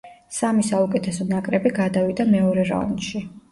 სამი საუკეთესო ნაკრები გადავიდა მეორე რაუნდში.